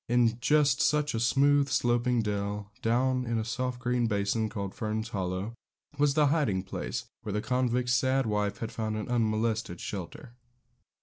In just such a smooth, sloping dell, down in a soft green basin, called Fern's Hollow, was the hiding place where the convict's sad wife had found an unmolested shelter.